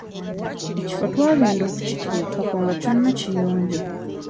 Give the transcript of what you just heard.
Ekifo twagenda okukituukako nga kyonna kiyonjo.